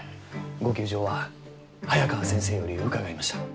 ご窮状は早川先生より伺いました。